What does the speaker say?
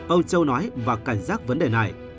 ông châu nói và cảnh giác vấn đề này